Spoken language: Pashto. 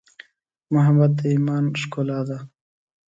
محبت د ایمان ښکلا ده.